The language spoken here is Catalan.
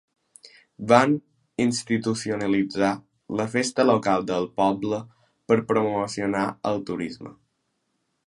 Van institucionalitzar la festa local del poble per promocionar el turisme.